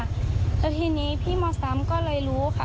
แล้วทีนี้พี่มซ้ำก็เลยรู้ค่ะ